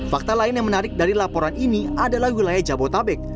fakta lain yang menarik dari laporan ini adalah wilayah jabotabek